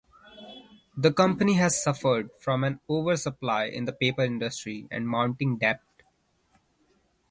The company has suffered from an oversupply in the paper industry and mounting debt.